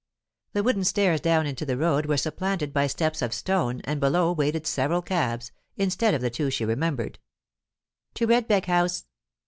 The wooden stairs down into the road were supplanted by steps of stone, and below waited several cabs, instead of the two she remembered. "To Redbeck House."